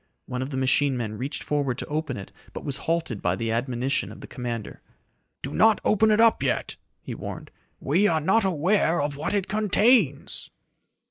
One of the machine men reached forward to open it but was halted by the admonition of the commander. "Do not open it up yet!" he warned. "We are not aware of what it contains!"